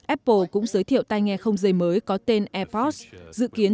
apple cũng giới thiệu tai nghe không dây mới có tên airpods